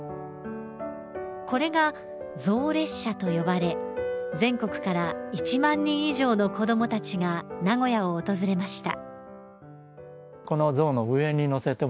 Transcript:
これが象列車と呼ばれ全国から１万人以上の子供たちが名古屋を訪れました。